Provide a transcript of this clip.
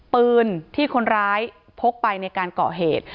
ปืนที่คนร้ายพกไปในการก่อเหตุ